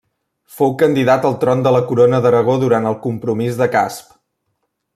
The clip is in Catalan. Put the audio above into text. Fou candidat al tron de la Corona d'Aragó durant el Compromís de Casp.